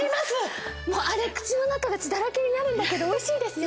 あれ口の中が血だらけになるんだけどおいしいですよね